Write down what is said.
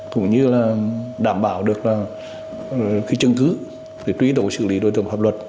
cũng như là đảm bảo được chứng cứ để tùy tổ xử lý đối tượng pháp luật